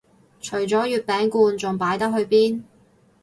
除咗月餅罐仲擺得去邊